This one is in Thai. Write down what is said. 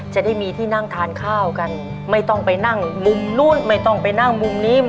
จะได้มีที่นั่งทานข้าวกันไม่ต้องไปนั่งมุมนู้นไม่ต้องไปนั่งมุมนี้